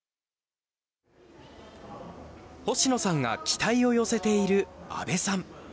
星野さんが期待を寄せている阿部さん。